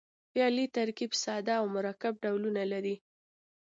فعلي ترکیب ساده او مرکب ډولونه لري.